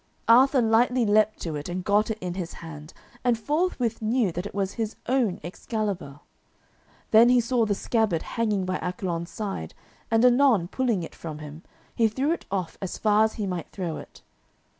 Arthur lightly leaped to it and got it in his hand, and forthwith knew that it was his own Excalibur. Then he saw the scabbard hanging by Accolon's side, and anon pulling it from him, he threw it off as far as he might throw it.